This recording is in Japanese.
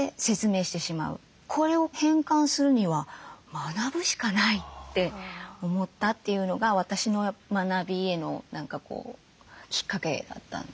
これを変換するには学ぶしかないって思ったというのが私の学びへのきっかけだったんですよね。